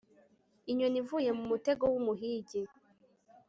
inyoni ivuye mu mutego w'umuhigi